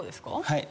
はい。